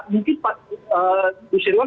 mungkin pak usirwan